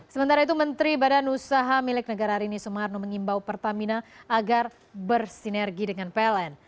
sementara itu menteri badan usaha milik negara rini sumarno mengimbau pertamina agar bersinergi dengan pln